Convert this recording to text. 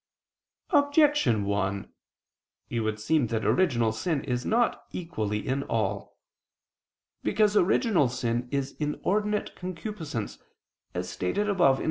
Objection 1: It would seem that original sin is not equally in all. Because original sin is inordinate concupiscence, as stated above (A.